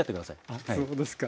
あっそうですか。